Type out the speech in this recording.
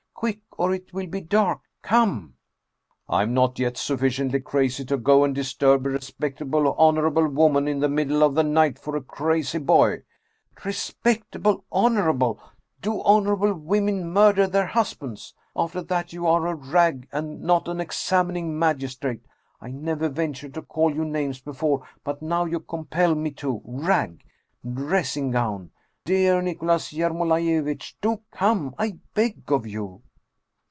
Quick, or it will be dark. Come !"" I am not yet sufficiently crazy to go and disturb a re spectable honorable woman in the middle of the night for a crazy boy !" 173 Russian Mystery Stories " Respectable, honorable ! Do honorable women murder their husbands? After that you are a rag, and not an examining magistrate ! I never ventured to call you names before, but now you compel me to. Rag ! Dressing gown ! Dear Nicholas Yermolaiyevitch, do come, I beg of you